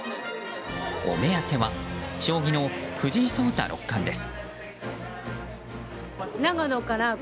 お目当ては将棋の藤井聡太六冠です。